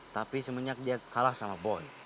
tapi semuanya dia kalah sama boy